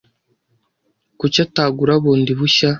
Kuki atagura bundi bushya?